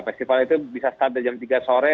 festival itu bisa start dari jam tiga sore